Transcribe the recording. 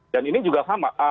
dan ini juga sama